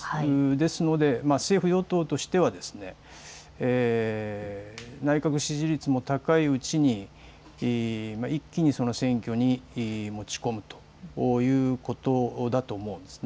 ですので政府与党としては内閣支持率も高いうちに一気に選挙に持ち込むということだと思うんです。